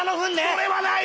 それはない！